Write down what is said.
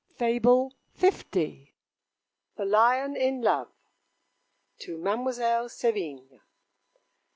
FABLE L. THE LION IN LOVE. TO MADEMOISELLE SEVIGNE.